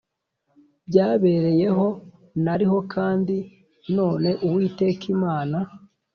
byabereyeho nariho kandi none Uwiteka Imana